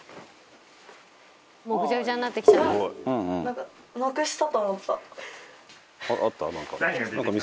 「もうぐちゃぐちゃになってきちゃった」が出てきました。